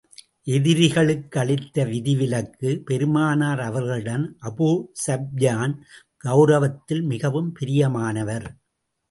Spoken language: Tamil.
எதிரிகளுக்கு அளித்த விதிவிலக்கு பெருமானார் அவர்களிடம், அபூ ஸுப்யான் கெளரவத்தில் மிகவும் பிரியமானவர்.